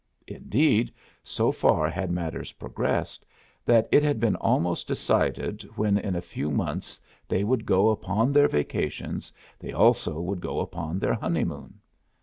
Indeed, so far had matters progressed, that it had been almost decided when in a few months they would go upon their vacations they also would go upon their honeymoon.